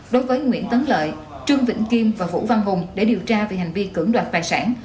đối với nguyễn tấn lợi trương vĩnh kim và vũ văn hùng để điều tra về hành vi cưỡng đoạt tài sản